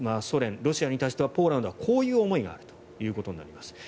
ソ連、ロシアに対してはポーランドはこういう思いがあるということになります。